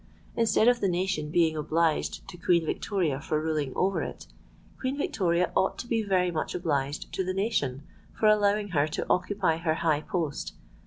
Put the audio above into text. _ Instead of the nation being obliged to Queen Victoria for ruling over it, Queen Victoria ought to be very much obliged to the nation for allowing her to occupy her high post.